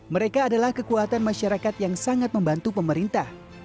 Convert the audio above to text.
mereka adalah kekuatan masyarakat yang sangat membantu pemerintah